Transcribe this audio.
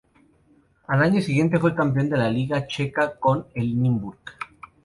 Al año siguiente fue campeón de la Liga Checa con el Nymburk.